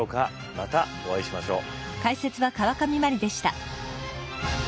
またお会いしましょう。